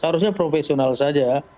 seharusnya profesional saja